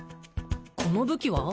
この武器は？